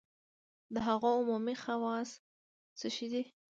د هغو عمومي خواص څه شی دي؟